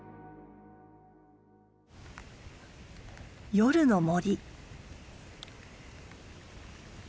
夜の森。